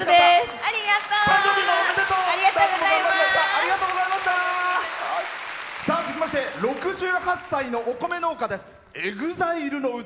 ありがとう！続きまして６８歳のお米農家です。